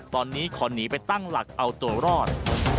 ตอนนี้ขอหนีไปตั้งหลักเอาตัวรอด